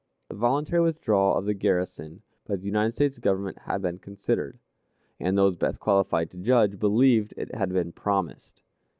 The voluntary withdrawal of the garrison by the United States Government had been considered, and those best qualified to judge believed it had been promised.